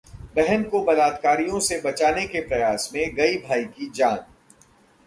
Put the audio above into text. बहन को बलात्कारियों से बचाने के प्रयास में गई भाई की जान